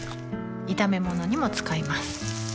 炒め物にも使います